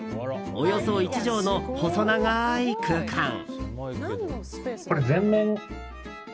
およそ１畳の細長い空間。